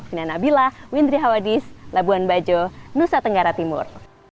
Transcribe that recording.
fina nabila windri hawadis labuan bajo nusa tenggara timur